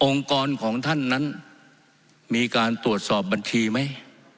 กรของท่านนั้นมีการตรวจสอบบัญชีไหม